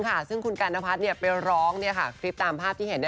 คุณการนภัฐไปร้องคลิปตามภาพที่เห็น